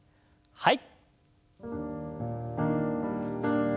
はい。